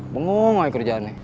bengong aja kerjaannya